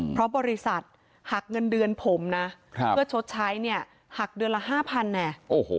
เพราะบริษัทหักเงินเดือนผมนะเพื่อชดใช้เนี่ยหักเดือนละ๕๐๐แน่